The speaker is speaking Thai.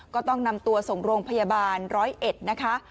ก็ต้องนำตัวส่งโรงพยาบาลร้อยเอ็ดนะคะ